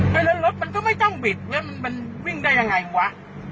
แล้วรถมันก็ไม่ต้องบิดแล้วมันวิ่งได้ยังไงวะ